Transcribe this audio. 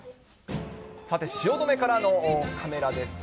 さて、汐留からのカメラです。